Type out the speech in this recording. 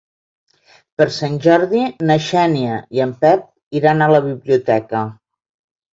Per Sant Jordi na Xènia i en Pep iran a la biblioteca.